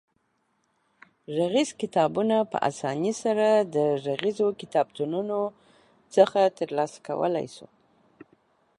غږیز کتابونه په اسانۍ سره د غږیزو کتابتونونو څخه ترلاسه کولای شو.